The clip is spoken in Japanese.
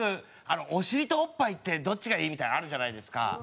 お尻とオッパイってどっちがいい？みたいなのあるじゃないですか。